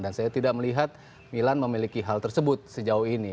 saya tidak melihat milan memiliki hal tersebut sejauh ini